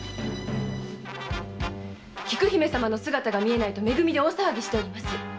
菊姫様の姿が見えないとめ組で大騒ぎしております。